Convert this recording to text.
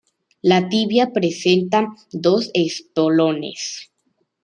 La tibia presenta dos espolones.